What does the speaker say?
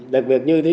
đặc biệt như thí dụ